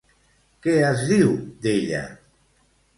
Què es diu, d'ella?